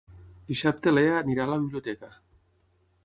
Dissabte na Lea irà a la biblioteca.